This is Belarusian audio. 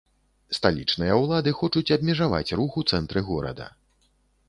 Сталічныя ўлады хочуць абмежаваць рух у цэнтры горада.